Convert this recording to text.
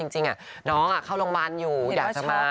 จริงน้องเข้าโรงพยาบาลอยู่อยากจะมา